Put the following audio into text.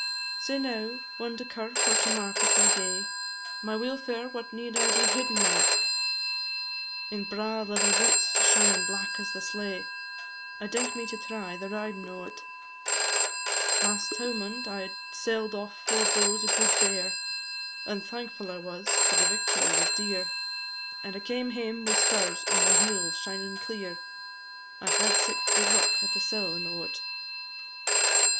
Sae now, whan to kirk or to market I gae My weelfare what need I be hiddin' o't? In braw leather boots shinin' black as the slae, I dink me to try the ridin' o't. Last towmond I sell'd off four bowes o' guid bear, And thankfu' I was, for the victual was dear, And I came hame wi' spurs on my heels shinin' clear, I had sic good luck at the sellin' o't.